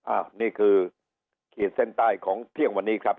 อันนี้คือขีดเส้นใต้ของเที่ยงวันนี้ครับ